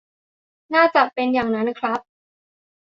น่าจะเป็นอย่างนั้นครับ